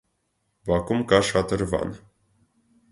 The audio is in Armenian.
Բակում կա շատրվան։